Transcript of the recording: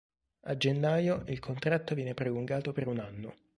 A gennaio il contratto viene prolungato per un anno.